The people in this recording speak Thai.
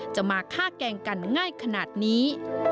จะมาฆ่าแกล้งกันง่ายขนาดนี้